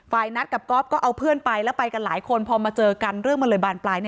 นัดกับก๊อฟก็เอาเพื่อนไปแล้วไปกันหลายคนพอมาเจอกันเรื่องมันเลยบานปลาย